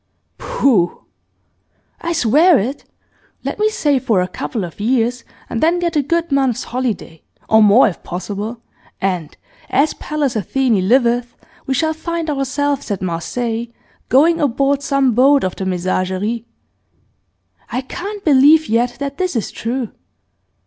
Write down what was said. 'Pooh!' 'I swear it! Let me save for a couple of years, and then get a good month's holiday, or more if possible, and, as Pallas Athene liveth! we shall find ourselves at Marseilles, going aboard some boat of the Messageries. I can't believe yet that this is true.